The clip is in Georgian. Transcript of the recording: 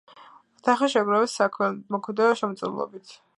თანხა შეაგროვეს საქველმოქმედო შემოწირულობებით.